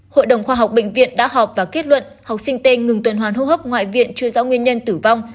hội đồng khoa học bệnh viện đã họp và kết luận học sinh t ngừng tuần hoàn hô hấp ngoại viện chưa rõ nguyên nhân tử vong